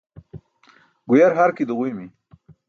Guyar harki duġuymi.